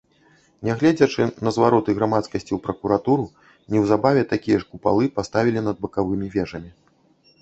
Нягледзячы на звароты грамадскасці ў пракуратуру, неўзабаве такія ж купалы паставілі над бакавымі вежамі.